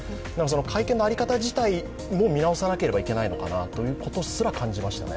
会見の在り方自体も見直さなければいけないのかなとすら思いましたね。